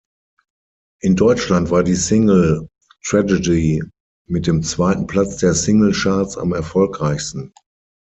In Deutschland war die Single "Tragedy" mit dem zweiten Platz der Singlecharts am erfolgreichsten.